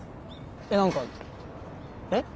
え何かえっ？